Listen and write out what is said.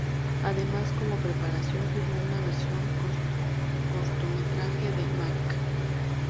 Además como preparación filmó una versión cortometraje de "Mac".